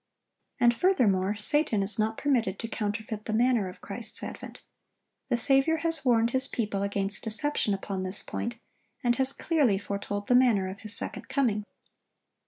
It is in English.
And, furthermore, Satan is not permitted to counterfeit the manner of Christ's advent. The Saviour has warned His people against deception upon this point, and has clearly foretold the manner of His second coming.